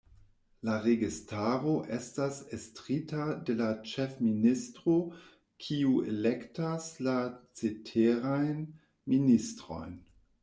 La registaro estas estrita de la Ĉefministro, kiu elektas la ceterajn ministrojn.